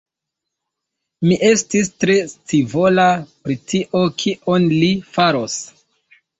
Mi estis tre scivola pri tio, kion li faros.